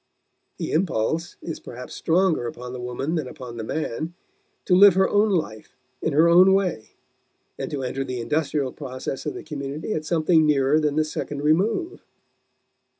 The impulse is perhaps stronger upon the woman than upon the man to live her own life in her own way and to enter the industrial process of the community at something nearer than the second remove.